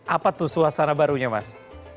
apa tuh suasana barunya mas